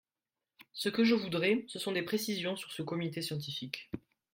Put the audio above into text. Ce que je voudrais, ce sont des précisions sur ce comité scientifique.